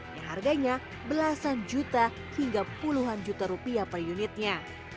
yang harganya belasan juta hingga puluhan juta rupiah per unitnya